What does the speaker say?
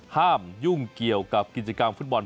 ยุ่งเกี่ยวกับกิจกรรมฟุตบอล